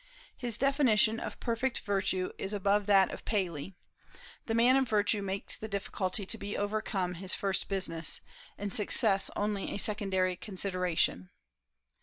His definition of perfect virtue is above that of Paley: "The man of virtue makes the difficulty to be overcome his first business, and success only a secondary consideration."